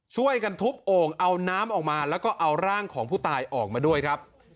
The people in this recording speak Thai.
ช่วยกันทุบโอ่งเอาน้ำออกมาแล้วก็เอาร่างของผู้ตายออกมาด้วยครับ